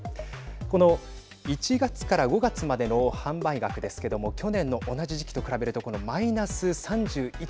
この１月から５月までの販売額ですけども去年の同じ時期と比べるとこのマイナス３１．５％。